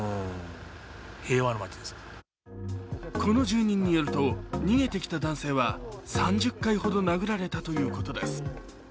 この住人によると、逃げてきた男性は３０回ほど殴られたということです。